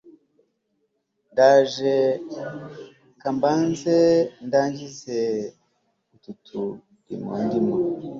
ndaje kambanze ndangize utu turimo ndimo